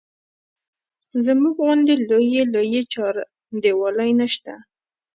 زموږ غوندې لویې لویې چاردیوالۍ نه شته.